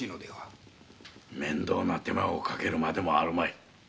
面倒な手間をかけるまでもあるまい。